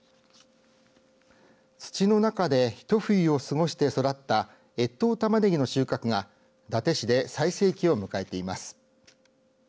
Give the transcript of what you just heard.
土の中でひと冬を過ごして育った越冬たまねぎの収穫が伊達市で最盛期を迎えています。